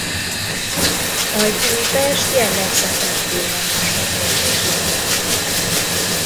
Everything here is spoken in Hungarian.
Majd Újpest jellegzetes villamos motorkocsija lett.